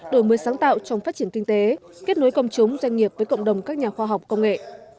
đổi mới sáng tạo trong phát triển kinh tế kết nối công chúng doanh nghiệp với cộng đồng các nhà khoa học công nghệ